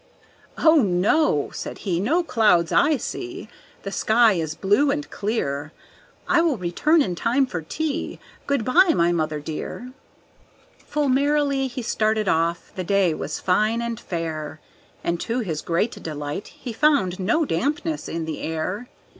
"Oh, no," said he, "no clouds I see, the sky is blue and clear, I will return in time for tea good by, my mother dear." Full merrily he started off, the day was fine and fair, And to his great delight he found no dampness in the air.